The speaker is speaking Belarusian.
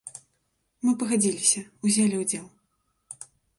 Мы пагадзіліся, узялі ўдзел.